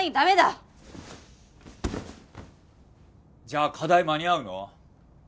じゃあ課題間に合うの？